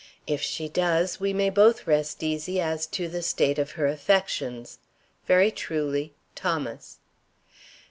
If she does, we may both rest easy as to the state of her affections. Very truly, THOMAS.